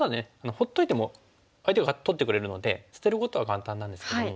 ほっといても相手が取ってくれるので捨てることは簡単なんですけども。